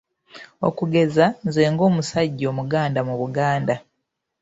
Okugeza, nze ng'omusajja Omuganda mu Buganda.